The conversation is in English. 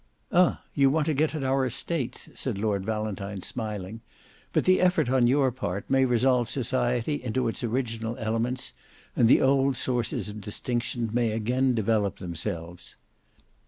"Ah! you want to get at our estates," said Lord Valentine smiling; "but the effort on your part may resolve society into its original elements, and the old sources of distinction may again develop themselves."